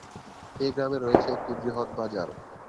এ গ্রামে রয়েছে একটি বৃহৎ বাজার।